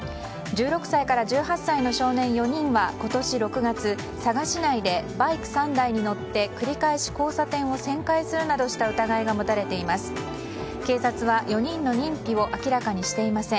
１６歳から１８歳の少年４人は今年６月佐賀市内でバイク３台に乗って繰り返し交差点を旋回するなどした疑いが持たれています。